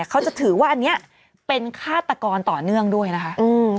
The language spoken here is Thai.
เขาจะถือว่าอันนี้เป็นฆาตกรต่อเนื่องด้วยนะคะอืม